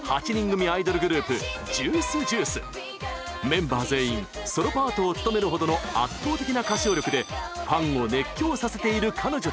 メンバー全員ソロパートを務めるほどの圧倒的な歌唱力でファンを熱狂させている彼女たち。